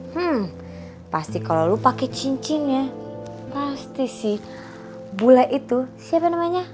hmm pasti kalau lo pakai cincinnya pasti sih bule itu siapa namanya